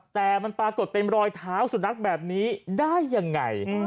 แต่มันปรากฏเป็นรอยเท้าสุนัขแบบนี้ได้ยังไง